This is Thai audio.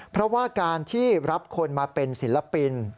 เพราะว่าการที่รับคนมาเป็นศิลปิน